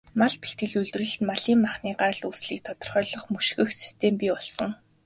Мах бэлтгэл, үйлдвэрлэлд малын махны гарал үүслийг тодорхойлох, мөшгөх систем бий болгосон.